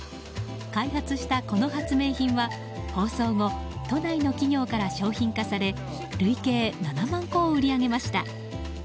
開発したこの発明品は放送後都内の企業から商品化され累計７万個を売り上げました。